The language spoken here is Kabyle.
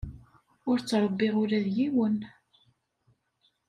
Ur ttṛebbiɣ ula d yiwen.